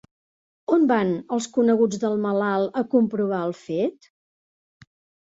On van els coneguts del malalt a comprovar el fet?